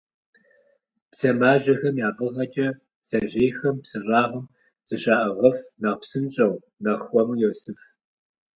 Бдзэмажьэхэм я фӏыгъэкӏэ бдзэжьейхэм псы щӏагъым зыщаӏыгъыф, нэхъ псынщӏэу, нэхъ хуэму йосыф.